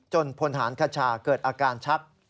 พลฐานคชาเกิดอาการชัก